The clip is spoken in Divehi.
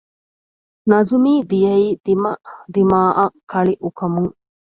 ނަޒުމީ ދިޔައީ ދިމަދިމާއަށް ކަޅިއުކަމުން